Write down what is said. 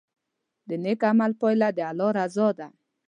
د نیک عمل پایله د الله رضا ده.